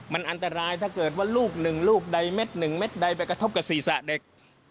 มันอันตรายถ้าเกิดว่าลูกหนึ่งลูกใดเม็ดหนึ่งเม็ดใดไปกระทบกับศีรษะเด็ก